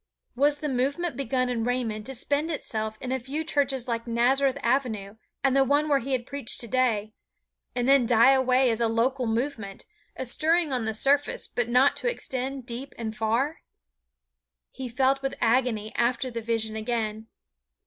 Was the movement begun in Raymond to spend itself in a few churches like Nazareth Avenue and the one where he had preached today, and then die away as a local movement, a stirring on the surface but not to extend deep and far? He felt with agony after the vision again.